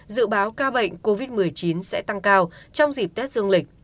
dự báo ca bệnh covid một mươi chín sẽ tăng cao trong dịp tết dương lịch